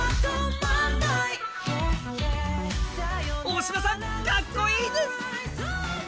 大島さん、かっこいいです！